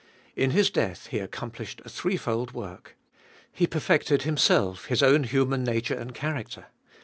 In His death He accomplished a threefold work. He perfected Him self, His own human nature and character.